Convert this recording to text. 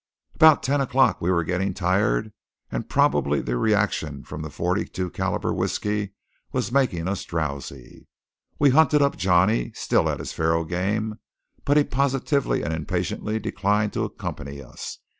About ten o'clock we were getting tired; and probably the reaction from the "42 calibre whiskey" was making us drowsy. We hunted up Johnny, still at his faro game; but he positively and impatiently declined to accompany us.